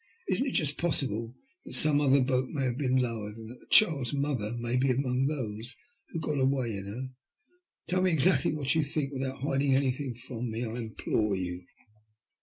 Isn't it just pos sible that some other boat may have been lowered, and that the child's mother may be among those who got away in her ? Tell me exactly what you think, with out hiding anything from me, I implore you."